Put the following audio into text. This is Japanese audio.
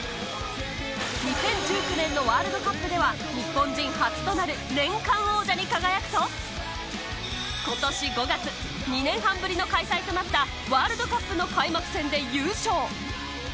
２０１９年のワールドカップでは日本人初となる年間王者に輝くと、今年５月、２年半ぶりの開催となったワールドカップの開幕戦で優勝。